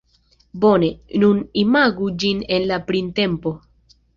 Bone, nun imagu ĝin en la printempo.